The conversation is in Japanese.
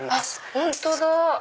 本当だ。